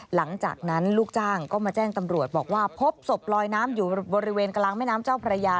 หลังจากนั้นลูกจ้างก็มาแจ้งตำรวจบอกว่าพบศพลอยน้ำอยู่บริเวณกลางแม่น้ำเจ้าพระยา